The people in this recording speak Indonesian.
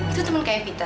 itu temen kayak vita